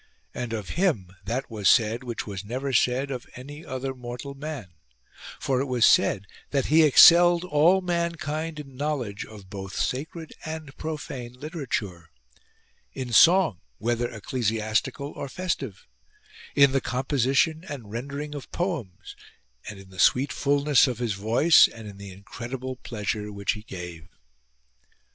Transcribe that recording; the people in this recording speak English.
And of him that was said which was never said of any other mortal man : for it was said that he excelled all mankind in knowledge of both sacred and profane literature ; in song whether ecclesiastical or festive ; in the composition and rendering of poems and in the sweet fulness of his voice and in the incredible pleasure which he gave.